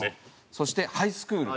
そして『ハイスクール！